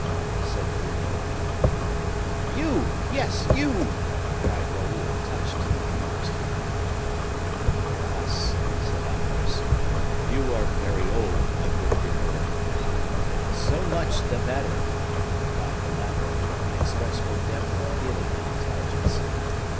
said Grimaud. "You, yes, you!" cried Raoul, touched to the inmost heart. "Alas!" said Athos, "you are very old, my good Grimaud." "So much the better," replied the latter, with an inexpressible depth of feeling and intelligence.